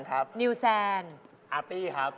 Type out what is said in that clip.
อนุตินดิตอาร์ตี้ครับ